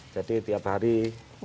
jadi tiap hari keliling